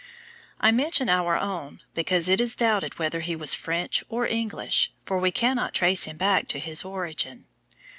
I mention our own, because it is doubted whether he was French or English, for we cannot trace him back to his origin.